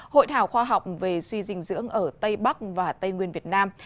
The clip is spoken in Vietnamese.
hội thảo khoa học về suy dinh dưỡng ở tây bắc và tây nguyên việt nam